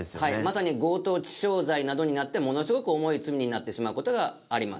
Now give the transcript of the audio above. まさに強盗致傷罪などになってものすごく重い罪になってしまう事があります。